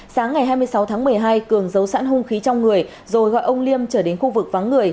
sáng ngày hai mươi sáu tháng một mươi hai cường giấu sẵn hung khí trong người rồi gọi ông liêm trở đến khu vực vắng người